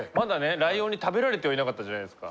ライオンに食べられてはいなかったじゃないですか。